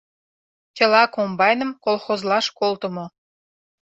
— Чыла комбайным колхозлаш колтымо.